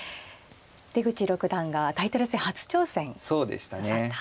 出口六段がタイトル戦初挑戦なさった。